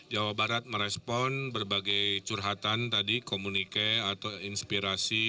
jawa barat merespon berbagai curhatan tadi komunike atau inspirasi